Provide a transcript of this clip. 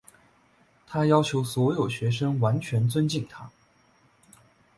她要求所有学生完全尊敬她。